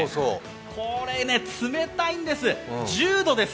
これ、冷たいんです、１０度です。